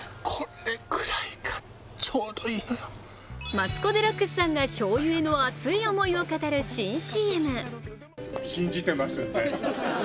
マツコ・デラックスさんがしょうゆへの熱い思いを語る新ＣＭ。